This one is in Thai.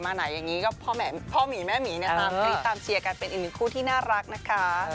ต้องมาหาเชียร์ทำไม